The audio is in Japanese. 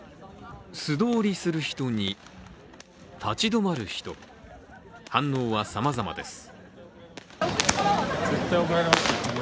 素通りする人に、立ち止まる人反応はさまざまです。